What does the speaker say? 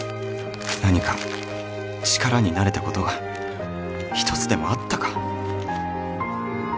何か力になれたことが一つでもあったか？